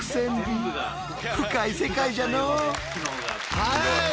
はい！